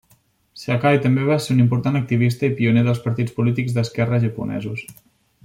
Sakai va ser també un important activista i pioner dels partits polítics d'esquerra japonesos.